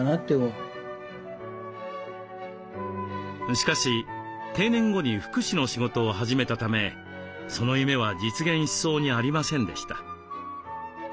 しかし定年後に福祉の仕事を始めたためその夢は実現しそうにありませんでした。